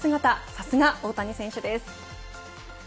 さすが大谷選手です。